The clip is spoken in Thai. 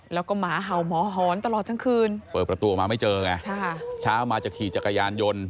แล้วก็หมาเห่าหมอหอนตลอดทั้งคืนเปิดประตูออกมาไม่เจอไงเช้ามาจะขี่จักรยานยนต์